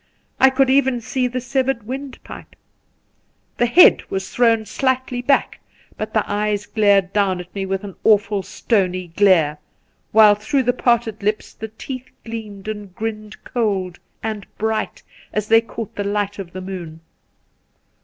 I could even see the severed ^windpipe. The head was thrown slightly back, but the eyes glared down at me with an awful stony glare, while through the parted lips the teeth gleamed and grinned cold, and bright as they caught the light of the moon.